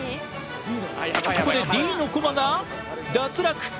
ここでＤのコマが脱落！